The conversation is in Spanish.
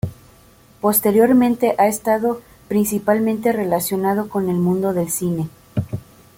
Posteriormente ha estado principalmente relacionado con el mundo del cine.